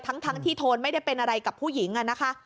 ทั้งที่โทนไม่ได้เป็นอะไรกับผู้หญิงนะคะ